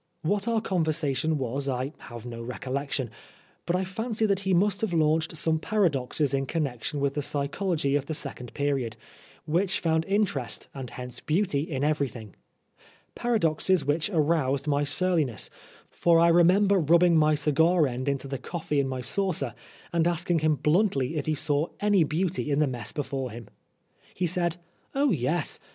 What our conversation was I have no recollection, but I fancy that he must have launched some paradoxes in connection with the psychology of the second period, which found interest, and hence beauty, in everything, paradoxes which aroused my surliness, for I remember rubbing my cigar end into the coffee in my 33 3 Oscar Wilde saucer, and asking him bluntly if he saw any beauty in the mess before him. He said, "Oh, yes.